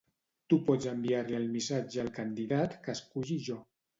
Tu pots enviar-li el missatge al candidat que esculli jo.